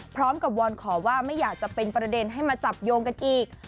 วอนขอว่าไม่อยากจะเป็นประเด็นให้มาจับโยงกันอีก